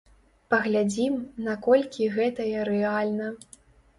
Паглядзім, наколькі гэтае рэальна.